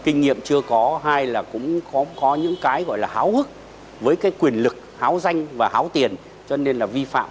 kinh nghiệm chưa có hay là cũng có những cái gọi là háo hức với cái quyền lực háo danh và háo tiền cho nên là vi phạm